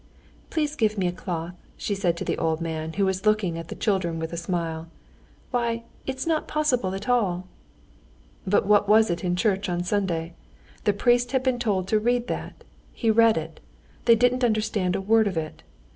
"Please give me a cloth," she said to the old man, who was looking at the children with a smile. "Why, it's not possible that all...." "But what was it in church on Sunday? The priest had been told to read that. He read it. They didn't understand a word of it.